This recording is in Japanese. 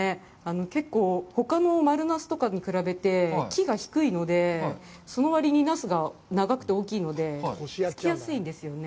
結構ほかの丸ナスとかに比べて木が低いので、その割にナスが長くて大きいので、つきやすいんですよね。